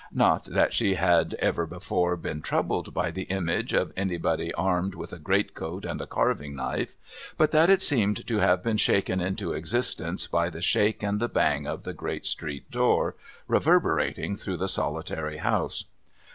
Not that she had ever before been troubled by the image of anybody armed with a great coat and a carving knife, but that it seemed to have been shaken into existence by the shake and the bang of the great street door, reverberating through the solitary house.